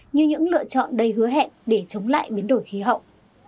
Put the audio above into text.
như những lựa chọn đầy hứa hẹn để chống lại biến đổi khí hậu